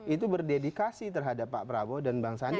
itu berdedikasi terhadap pak prabowo dan bang sandi